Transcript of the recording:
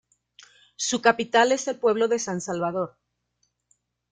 Su capital es el pueblo de San Salvador.